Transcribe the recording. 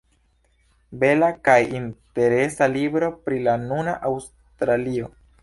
Bela kaj interesa libro pri la nuna Aŭstralio.